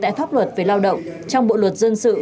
tại pháp luật về lao động trong bộ luật dân sự